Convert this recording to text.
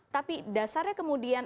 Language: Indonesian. tapi dasarnya kemudian